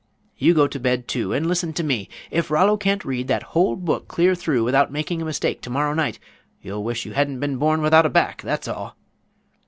You go to bed, too, and listen to me if Rollo can't read that whole book clear through without making a mistake to morrow night, you'll wish you had been born without a back, that's all."